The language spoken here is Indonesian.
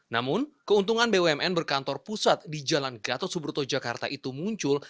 namun keuntungan bumn berkantor pusat di jalan gatot subroto jakarta itu muncul